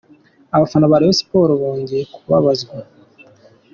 Abafana ba Rayon Sports bongeye kubabazwa .